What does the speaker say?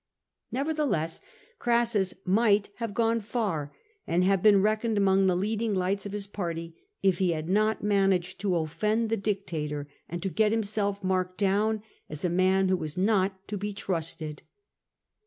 Nevertheless Crassus might have gone far, and have been reckoned among the leading lights of his party, if he had not managed to offend the dictator, and to get him self marked down as a man who was not to be trusted.